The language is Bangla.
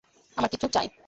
আমার কিছু চাই।